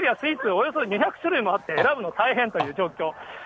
およそ２００種類もあって、選ぶの大変という状況。